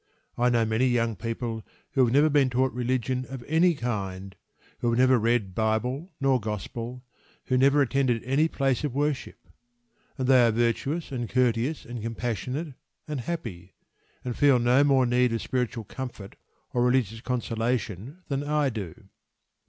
I know many young people who have never been taught religion of any kind, who have never read Bible nor Gospel, who never attended any place of worship; and they are virtuous and courteous and compassionate and happy, and feel no more need of spiritual comfort or religious consolation than I do.